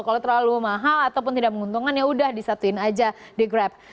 kalau terlalu mahal ataupun tidak menguntungkan yaudah disatuin aja di grab